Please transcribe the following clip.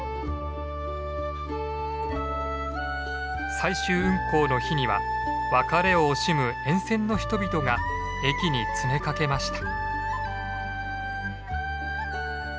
最終運行の日には別れを惜しむ沿線の人々が駅に詰めかけました。